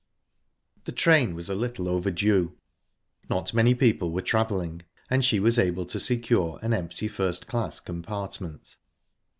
The train was a little overdue. Not many people were travelling, and she was able to secure an empty first class compartment.